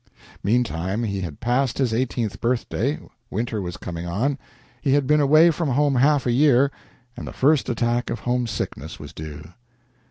Meantime, he had passed his eighteenth birthday, winter was coming on, he had been away from home half a year, and the first attack of homesickness was due.